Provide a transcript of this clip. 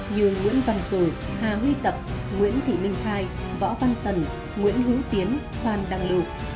như nguyễn văn cử hà huy tập nguyễn thị minh khai võ văn tần nguyễn hữu tiến phan đăng lưu